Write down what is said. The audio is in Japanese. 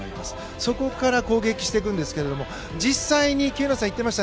そこから攻撃していくんですが実際に喜友名さんが言っていました。